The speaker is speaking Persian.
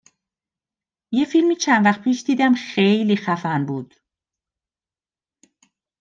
یه فیلمی چند وقت پیش دیدم، خیلی خفن بود